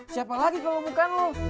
siapa lagi kalau bukan lo